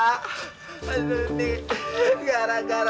aduh ini gara gara minum jamu lo